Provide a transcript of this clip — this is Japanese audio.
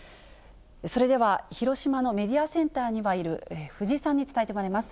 それでは、広島のメディアセンターに今いる、藤井さんに伝えてもらいます。